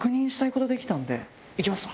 行きますわ。